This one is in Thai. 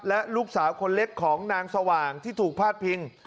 และลูกสาวคนเล็กของนางสว่างที่ถูกพาดพิง